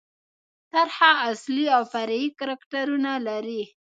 طرحه اصلي او فرعي کرکټرونه لري.